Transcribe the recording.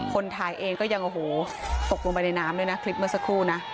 คนถ่ายเองก็ยังโอ้โหตกลงไปในน้ำด้วยนะคลิปเมื่อสักครู่นะ